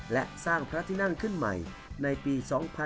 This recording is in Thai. และสร้างพระที่นั่งขึ้นใหม่ในปี๒๕๖๒